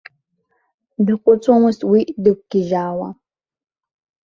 Даҟәыҵуамызт уи дықәгьежьаауа.